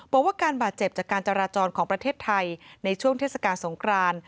บอกว่าการบาดเจ็บจากการจราจรของประเทศไทยในช่วงเทศกาลสงคราน